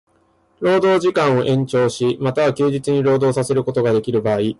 労働時間を延長し、又は休日に労働させることができる場合